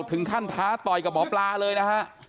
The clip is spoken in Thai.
ท้าต่อยกับหมอปลาเลยนะฮะ